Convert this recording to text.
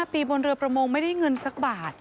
ปีบนเรือประมงไม่ได้เงินสักบาท